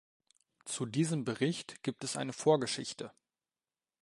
Zu diesem Bericht gibt es eine Vorgeschichte.